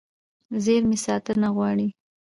زېرمې ساتنه غواړي.